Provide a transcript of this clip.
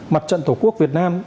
mặt trận tổ quốc việt nam